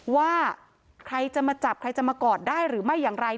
ว่าใครจะมาจับใครจะมากอดได้หรือไม่อย่างไร